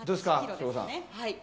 省吾さん。